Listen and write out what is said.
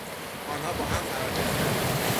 آنها باهم فرار کردند.